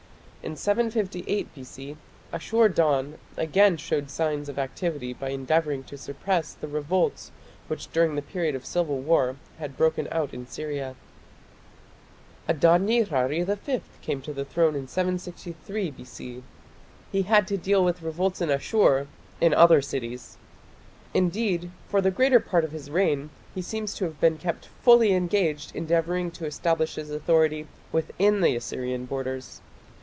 In 758 B.C. Ashur dan again showed signs of activity by endeavouring to suppress the revolts which during the period of civil war had broken out in Syria. Adad nirari V came to the throne in 763 B.C. He had to deal with revolts in Asshur in other cities. Indeed for the greater part of his reign he seems to have been kept fully engaged endeavouring to establish his authority within the Assyrian borders.